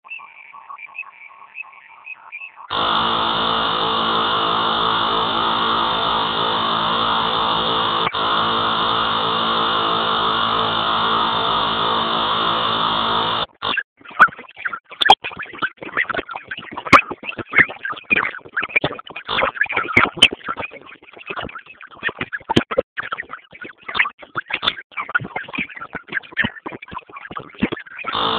ميرويس خان وويل: ښاغلي ګرګين خان ته احترام لرم.